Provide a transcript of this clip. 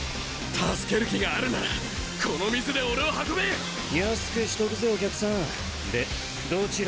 助ける気があるならこの水で俺を運べ！安くしとくぜお客さんでどちらまで？